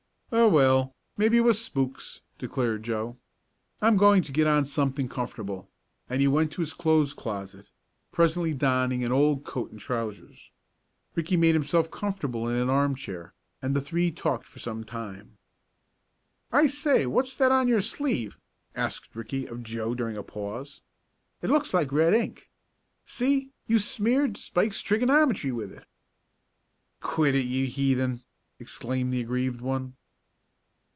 "Oh, well, maybe it was spooks," declared Joe. "I'm going to get on something comfortable," and he went to the clothes closet, presently donning an old coat and trousers. Ricky made himself comfortable in an armchair, and the three talked for some time. "I say, what's that on your sleeve?" asked Ricky of Joe during a pause. "It looks like red ink. See, you've smeared Spike's trigonometry with it." "Quit it, you heathen!" exclaimed the aggrieved one.